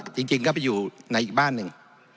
จริงก็ไปอยู่ในอีกบ้านหนึ่ง